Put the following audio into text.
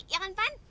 ya kan pan